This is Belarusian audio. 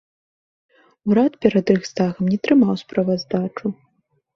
Урад перад рэйхстагам не трымаў справаздачу.